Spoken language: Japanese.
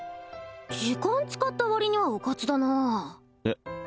時間使ったわりにはうかつだなえっ？